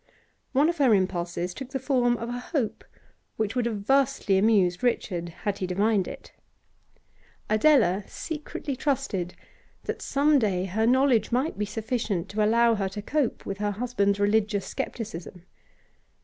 One of her impulses took the form of a hope which would have vastly amused Richard had he divined it. Adela secretly trusted that some day her knowledge might be sufficient to allow her to cope with her husband's religious scepticism.